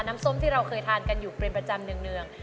น้ำส้มที่เราเคยทานกันอยู่เป็นประจำเนือง